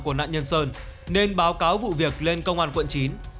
của nạn nhân sơn nên báo cáo vụ việc lên công an quận chín